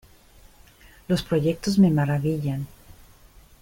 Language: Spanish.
Los proyectos me maravillan.